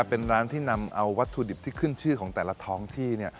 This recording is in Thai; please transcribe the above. เป็นร้านที่นำเอาวัตถุดิบที่ขึ้นชื่อของแต่ละท้องที่